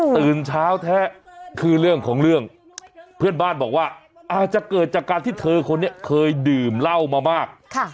ตื่นเช้าแท้คือเรื่องของเรื่องเพื่อนบ้านบอกว่าอาจจะเกิดจากการที่เธอคนนี้เคยดื่มเหล้ามามาก